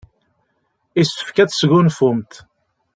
Yessefk ad tesgunfumt.